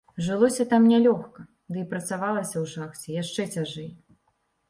Жылося там нялёгка, ды і працавалася ў шахце яшчэ цяжэй.